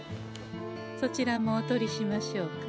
そちらもおとりしましょうか？